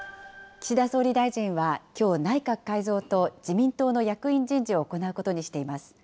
岸田総理大臣はきょう、内閣改造と自民党の役員人事を行うことにしています。